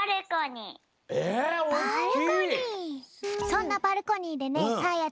そんなバルコニーでねさあや